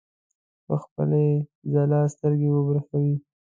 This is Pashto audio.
په خپلې ځلا سترګې وبرېښوي.